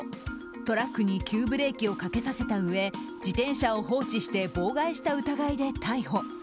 トラックに急ブレーキをかけさせたうえ自転車を放置して妨害した疑いで逮捕。